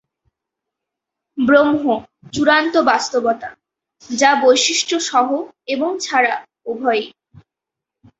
ব্রহ্ম, চূড়ান্ত বাস্তবতা, যা বৈশিষ্ট্য সহ এবং ছাড়া উভয়ই।